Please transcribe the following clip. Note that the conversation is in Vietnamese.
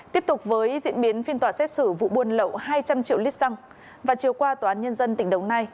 tiếp tục với diễn biến phiên tòa xét xử vụ buôn lậu hai trăm linh triệu lít xăng và chiều qua tòa án nhân dân tỉnh đồng nai